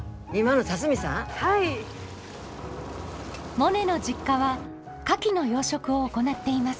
モネの実家はカキの養殖を行っています。